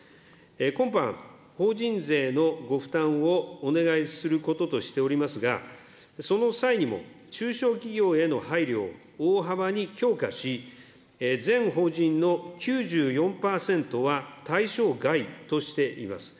今般、法人税のご負担をお願いすることとしておりますが、その際にも、中小企業への配慮を大幅に強化し、全法人の９４％は対象外としています。